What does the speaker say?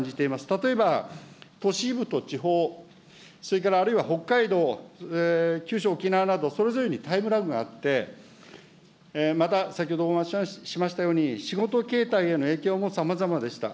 例えば都市部と地方、それからあるいは北海道、九州、沖縄など、それぞれにタイムラグがあって、また、先ほどお話しましたように仕事形態への影響もさまざまでした。